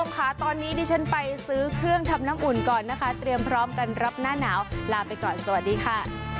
ค่ะตอนนี้ดิฉันไปซื้อเครื่องทำน้ำอุ่นก่อนนะคะเตรียมพร้อมกันรับหน้าหนาวลาไปก่อนสวัสดีค่ะ